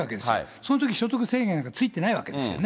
そのとき所得制限なんかついてないわけですよね。